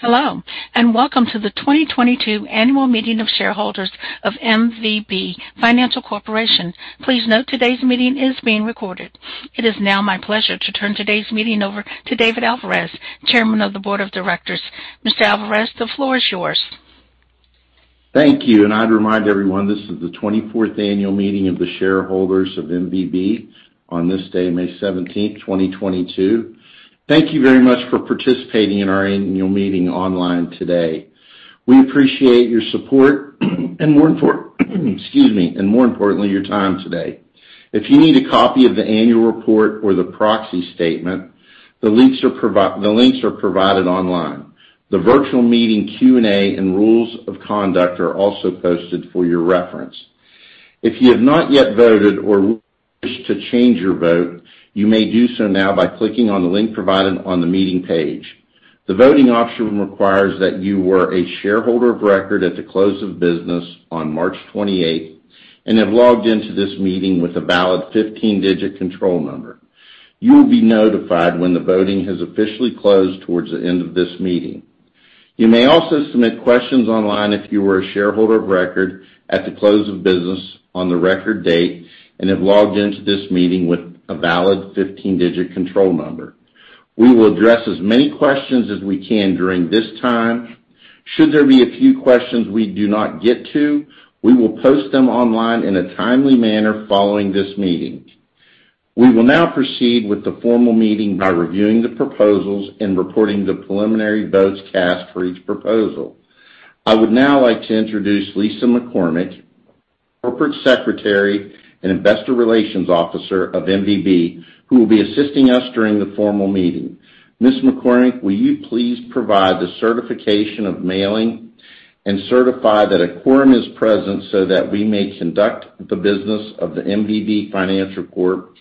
Hello, and Welcome to the 2022 Annual Meeting of Shareholders of MVB Financial Corp. Please note today's meeting is being recorded. It is now my pleasure to turn today's meeting over to David B. Alvarez, Chairman of the Board of Directors. Mr. Alvarez, the floor is yours. Thank you, I'd remind everyone this is the 24th annual meeting of the shareholders of MVB on this day, May 17, 2022. Thank you very much for participating in our annual meeting online today. We appreciate your support and more importantly, your time today. If you need a copy of the annual report or the proxy statement, the links are provided online. The virtual meeting Q&A and rules of conduct are also posted for your reference. If you have not yet voted or wish to change your vote, you may do so now by clicking on the link provided on the meeting page. The voting option requires that you were a shareholder of record at the close of business on March 28 and have logged into this meeting with a valid 15-digit control number. You will be notified when the voting has officially closed towards the end of this meeting. You may also submit questions online if you were a shareholder of record at the close of business on the record date and have logged into this meeting with a valid 15-digit control number. We will address as many questions as we can during this time. Should there be a few questions we do not get to, we will post them online in a timely manner following this meeting. We will now proceed with the formal meeting by reviewing the proposals and reporting the preliminary votes cast for each proposal. I would now like to introduce Lisa McCormick, Corporate Secretary and Investor Relations Officer of MVB, who will be assisting us during the formal meeting. Ms. McCormick, will you please provide the certification of mailing and certify that a quorum is present so that we may conduct the business of the MVB Financial Corp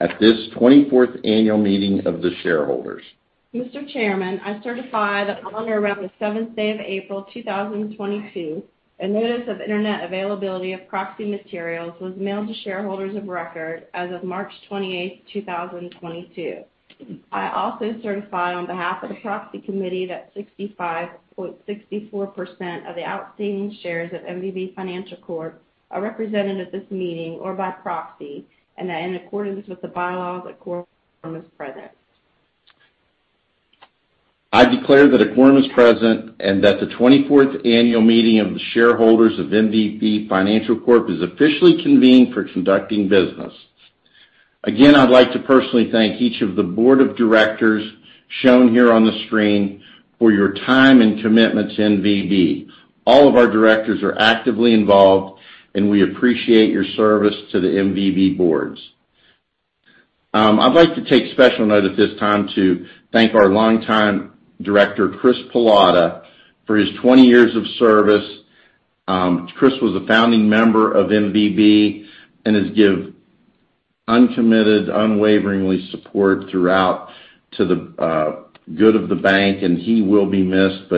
at this twenty-fourth annual meeting of the shareholders? Mr. Chairman, I certify that on or around April 7th, 2022, a notice of internet availability of proxy materials was mailed to shareholders of record as of March 28th, 2022. I also certify on behalf of the Proxy Committee that 65.64% of the outstanding shares of MVB Financial Corp are represented at this meeting or by proxy, and that in accordance with the bylaws, a quorum is present. I declare that a quorum is present and that the 24th annual meeting of the shareholders of MVB Financial Corp is officially convened for conducting business. Again, I'd like to personally thank each of the board of directors shown here on the screen for your time and commitment to MVB. All of our directors are actively involved, and we appreciate your service to the MVB boards. I'd like to take special note at this time to thank our longtime director, Chris Pallotta, for his 20 years of service. Chris was a founding member of MVB and has given unconditional, unwavering support throughout to the good of the bank, and he will be missed.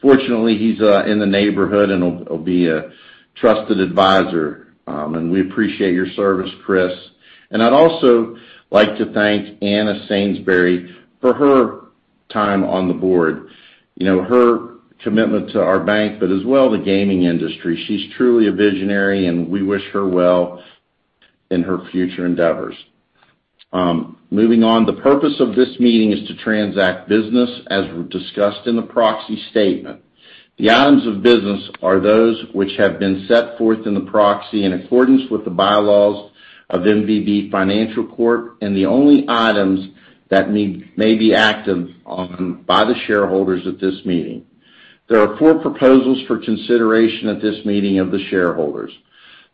Fortunately, he's in the neighborhood and will be a trusted advisor, and we appreciate your service, Chris. I'd also like to thank Anna Sainsbury for her time on the board. You know, her commitment to our bank, but as well the gaming industry. She's truly a visionary, and we wish her well in her future endeavors. Moving on, the purpose of this meeting is to transact business as discussed in the proxy statement. The items of business are those which have been set forth in the proxy in accordance with the bylaws of MVB Financial Corp, and the only items that may be acted on by the shareholders at this meeting. There are four proposals for consideration at this meeting of the shareholders.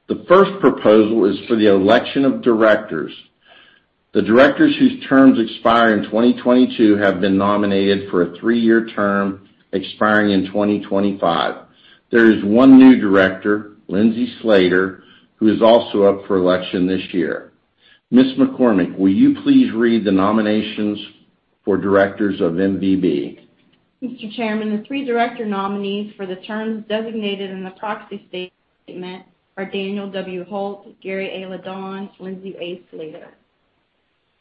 The first proposal is for the election of directors. The directors whose terms expire in 2022 have been nominated for a three-year term expiring in 2025. There is one new director, Lindsay A. Slater, who is also up for election this year. Ms. McCormick, will you please read the nominations for directors of MVB? Mr. Chairman, the three director nominees for the terms designated in the proxy statement are Daniel W. Holt, Gary A. LeDonne, Lindsay A. Slater.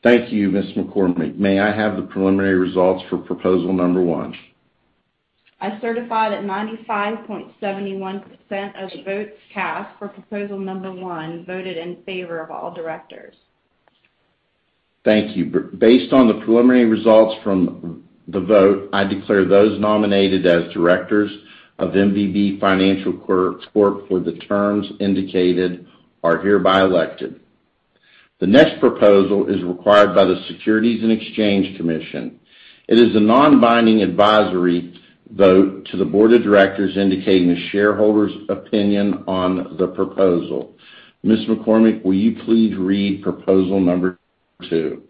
Thank you, Ms. McCormick. May I have the preliminary results for proposal number one? I certify that 95.71% of the votes cast for proposal number 1 voted in favor of all directors. Thank you. Based on the preliminary results from the vote, I declare those nominated as directors of MVB Financial Corp for the terms indicated are hereby elected. The next proposal is required by the Securities and Exchange Commission. It is a non-binding advisory vote to the board of directors indicating the shareholders' opinion on the proposal. Ms. McCormick, will you please read proposal number two? To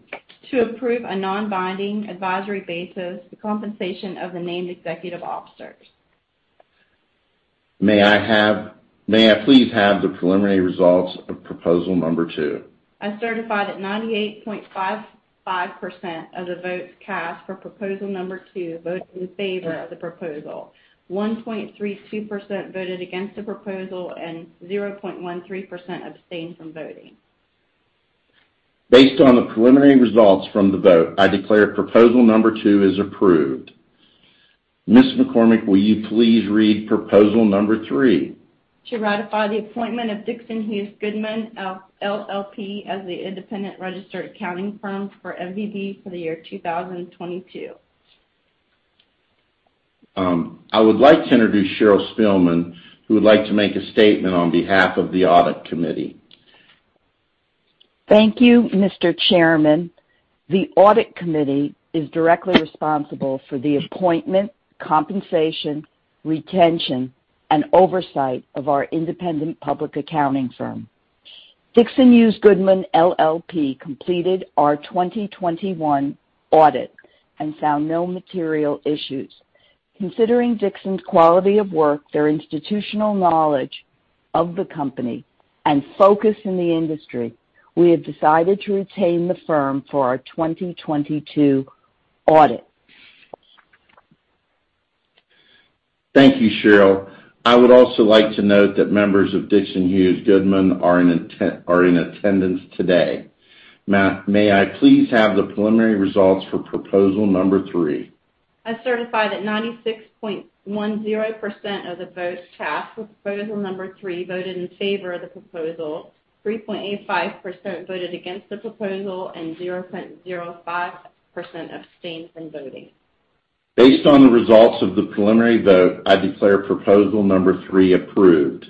approve, on a non-binding advisory basis, the compensation of the named executive officers. May I please have the preliminary results of proposal number two? I certify that 98.55% of the votes cast for proposal number 2 voted in favor of the proposal. 1.32% voted against the proposal and 0.13% abstained from voting. Based on the preliminary results from the vote, I declare proposal number 2 is approved. Ms. McCormick, will you please read proposal number 3? To ratify the appointment of Dixon Hughes Goodman LLP as the independent registered accounting firm for MVB for the year 2022. I would like to introduce Cheryl Spielman, who would like to make a statement on behalf of the audit committee. Thank you, Mr. Chairman. The audit committee is directly responsible for the appointment, compensation, retention, and oversight of our independent public accounting firm. Dixon Hughes Goodman LLP completed our 2021 audit and found no material issues. Considering Dixon's quality of work, their institutional knowledge of the company, and focus in the industry, we have decided to retain the firm for our 2022 audit. Thank you, Cheryl. I would also like to note that members of Dixon Hughes Goodman are in attendance today. May I please have the preliminary results for proposal number three? I certify that 96.10% of the votes cast for proposal number 3 voted in favor of the proposal, 3.85% voted against the proposal, and 0.05% abstained from voting. Based on the results of the preliminary vote, I declare proposal number three approved.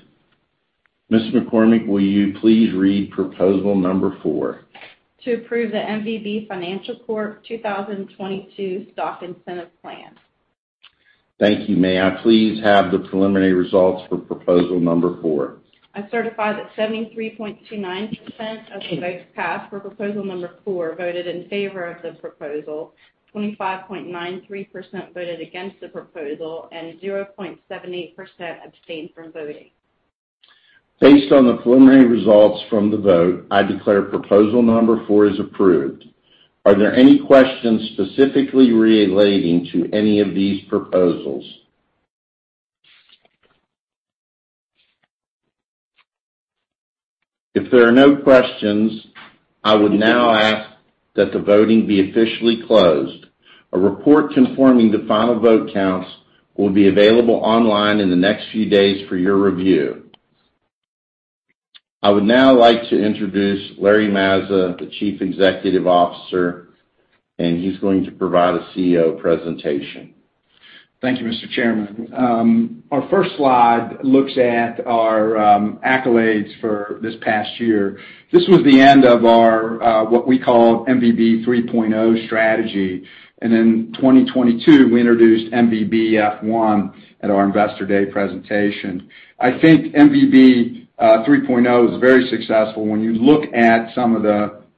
Ms. McCormick, will you please read proposal number four? To approve the MVB Financial Corp 2022 Stock Incentive Plan. Thank you. May I please have the preliminary results for proposal number four? I certify that 73.29% of the votes cast for proposal number 4 voted in favor of the proposal, 25.93% voted against the proposal, and 0.78% abstained from voting. Based on the preliminary results from the vote, I declare proposal number 4 is approved. Are there any questions specifically relating to any of these proposals? If there are no questions, I would now ask that the voting be officially closed. A report confirming the final vote counts will be available online in the next few days for your review. I would now like to introduce Larry Mazza, the Chief Executive Officer, and he's going to provide a CEO presentation. Thank you, Mr. Chairman. Our first slide looks at our accolades for this past year. This was the end of our what we call MVB 3.0 strategy. In 2022, we introduced MVB F1 at our Investor Day presentation. I think MVB 3.0 is very successful. When you look at some of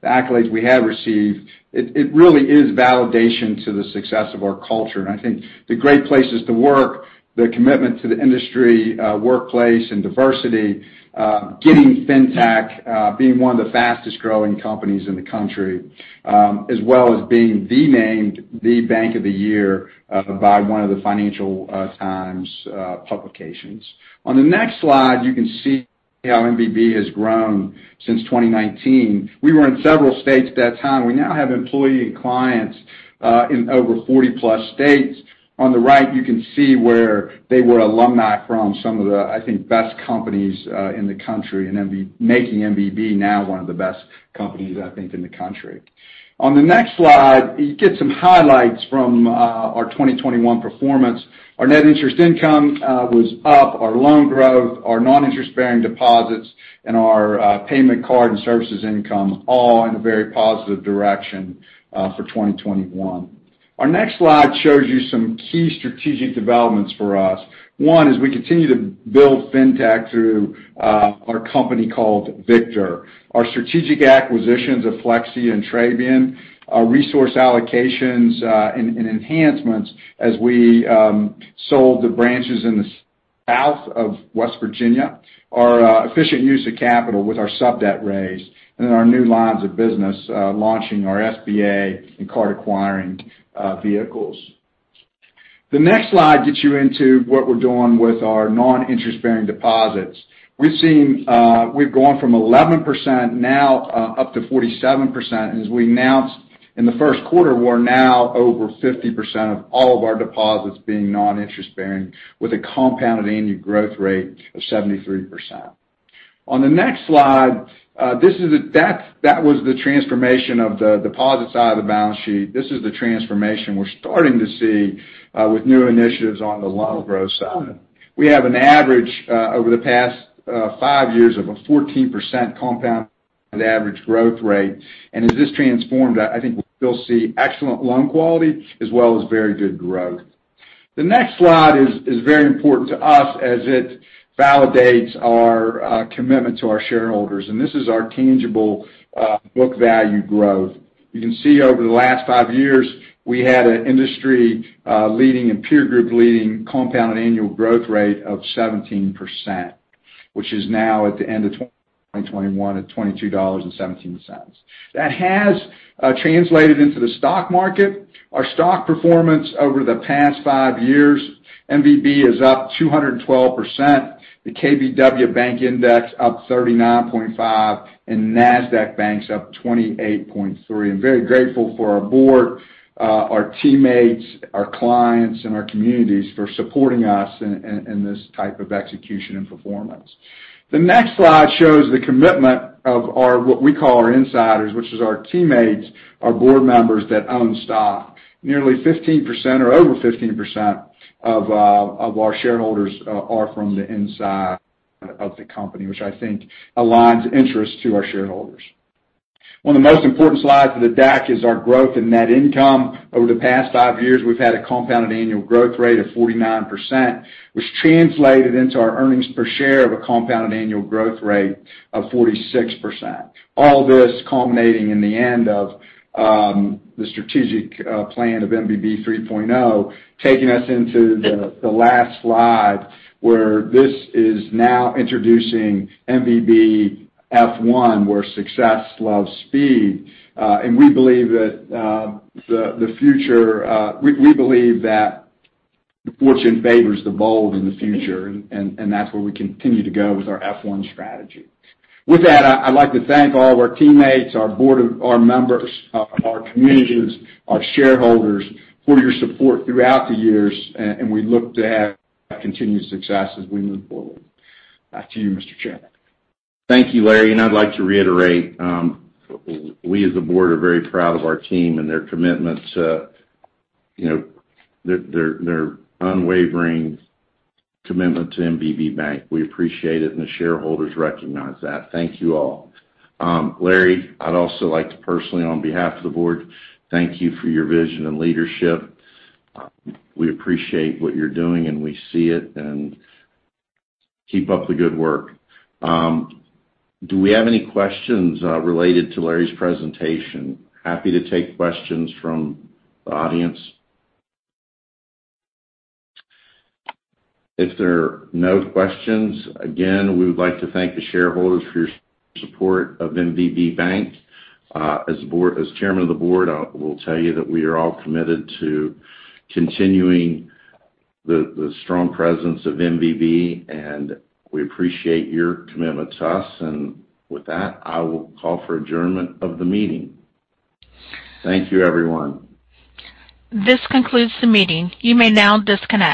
the accolades we have received, it really is validation to the success of our culture. I think the great places to work, the commitment to the industry, workplace, and diversity, getting Fintech, being one of the fastest-growing companies in the country, as well as being named the Bank of the Year by one of the Financial Times publications. On the next slide, you can see how MVB has grown since 2019. We were in several states at that time. We now have employees and clients in over 40+ states. On the right, you can see where they were alumni from some of the, I think, best companies in the country, and making MVB now one of the best companies, I think, in the country. On the next slide, you get some highlights from our 2021 performance. Our net interest income was up, our loan growth, our non-interest-bearing deposits, and our payment card and services income, all in a very positive direction for 2021. Our next slide shows you some key strategic developments for us. One is we continue to build Fintech through our company called Victor. Our strategic acquisitions of Flexi and Trabian, our resource allocations, and enhancements as we sold the branches in the south of West Virginia, our efficient use of capital with our sub-debt raise, and then our new lines of business, launching our SBA and card acquiring vehicles. The next slide gets you into what we're doing with our non-interest-bearing deposits. We've seen, we've gone from 11% now, up to 47%. As we announced in the first quarter, we're now over 50% of all of our deposits being non-interest-bearing with a compounded annual growth rate of 73%. On the next slide, that was the transformation of the deposit side of the balance sheet. This is the transformation we're starting to see with new initiatives on the loan growth side. We have an average over the past five years of a 14% compound annual growth rate. As this transformed, I think we'll still see excellent loan quality as well as very good growth. The next slide is very important to us as it validates our commitment to our shareholders, and this is our tangible book value growth. You can see over the last five years, we had an industry leading and peer group leading compounded annual growth rate of 17%, which is now at the end of 2021 at $22.17. That has translated into the stock market, our stock performance over the past five years, MVB is up 212%. The KBW Bank Index up 39.5%, and NASDAQ Bank Index up 28.3%. I'm very grateful for our board, our teammates, our clients, and our communities for supporting us in this type of execution and performance. The next slide shows the commitment of our what we call our insiders, which is our teammates, our board members that own stock. Nearly 15% or over 15% of our shareholders are from the inside of the company, which I think aligns interest to our shareholders. One of the most important slides of the deck is our growth in net income. Over the past five years, we've had a compounded annual growth rate of 49%, which translated into our earnings per share of a compounded annual growth rate of 46%. All this culminating in the end of the strategic plan of MVB 3.0, taking us into the last slide, where this is now introducing MVB-F1, where success loves speed. We believe that fortune favors the bold in the future, and that's where we continue to go with our F1 strategy. With that, I'd like to thank all our teammates, our board, our members, our communities, our shareholders for your support throughout the years, and we look to have continued success as we move forward. Back to you, Mr. Chairman. Thank you, Larry. I'd like to reiterate, we as a board are very proud of our team and their commitment to, you know, their unwavering commitment to MVB Bank. We appreciate it, and the shareholders recognize that. Thank you all. Larry, I'd also like to personally, on behalf of the board, thank you for your vision and leadership. We appreciate what you're doing, and we see it, and keep up the good work. Do we have any questions related to Larry's presentation? Happy to take questions from the audience. If there are no questions, again, we would like to thank the shareholders for your support of MVB Bank. As Chairman of the board, I will tell you that we are all committed to continuing the strong presence of MVB, and we appreciate your commitment to us. With that, I will call for adjournment of the meeting. Thank you, everyone. This concludes the meeting. You may now disconnect.